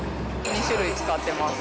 ２種類使ってます。